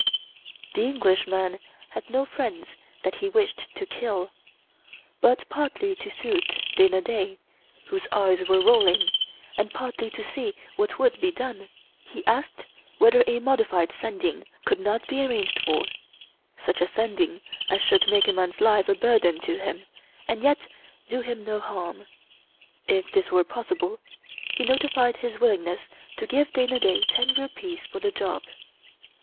The Englishman had no friends that he wished to kill, but partly to soothe Dana Da, whose eyes were rolling, and partly to see what would be done, he asked whether a modified Sending could not be arranged for — such a Send ing as should make a man's life a burden to him, and yet do him no harm. If this were possible, he notified his will ingness to give Dana Da ten rupees for the job.